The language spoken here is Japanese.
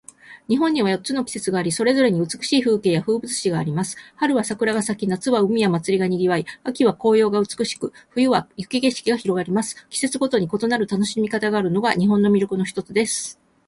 日本には四つの季節があり、それぞれに美しい風景や風物詩があります。春は桜が咲き、夏は海や祭りが賑わい、秋は紅葉が美しく、冬は雪景色が広がります。季節ごとに異なる楽しみ方があるのが、日本の魅力の一つです。